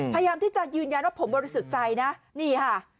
พยายามที่จะยืนยันว่าผมบริสุทธิ์ใจนะนี่ค่ะ